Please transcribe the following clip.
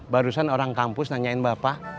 barusan orang kampus nanyain bapak